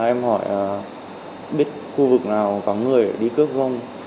em hỏi biết khu vực nào có người để đi cướp không